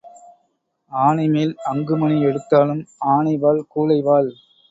ஆனைமேல் அங்கு மணி எடுத்தாலும் ஆனை வால் கூழை வால்.